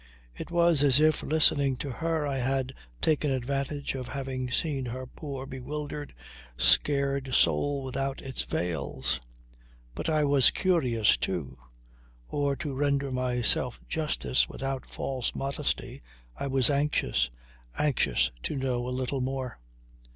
It was as if listening to her I had taken advantage of having seen her poor bewildered, scared soul without its veils. But I was curious, too; or, to render myself justice without false modesty I was anxious; anxious to know a little more.